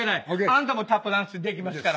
あなたもタップダンスできますから。